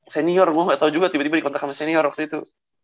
senior gue gak tau juga tiba tiba dikontak sama senior waktu itu